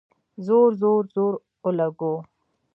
زور ، زور، زور اولګوو